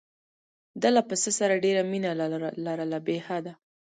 ده له پسه سره ډېره مینه لرله بې حده.